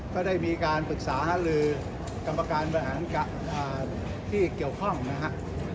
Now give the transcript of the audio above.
ก็ได้มีการปรึกษาหาลือกรรมการบริหารที่เกี่ยวข้องนะครับ